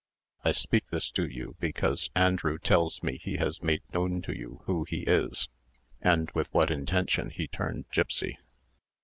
I speak this to you, because Andrew tells me he has made known to you who he is, and with what intention he turned gipsy."